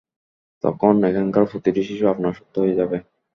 তখন এখানকার প্রতিটি শিশু আপনার শত্রু হয়ে যাবে।